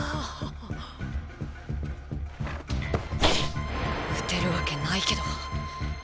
心の声打てるわけないけど。